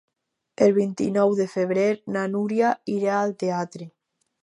El vint-i-nou de febrer na Núria irà al teatre.